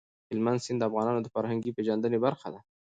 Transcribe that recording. هلمند سیند د افغانانو د فرهنګي پیژندنې برخه ده.